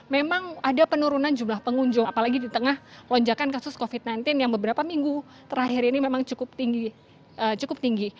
memang ada penurunan jumlah pengunjung apalagi di tengah lonjakan kasus covid sembilan belas yang beberapa minggu terakhir ini memang cukup tinggi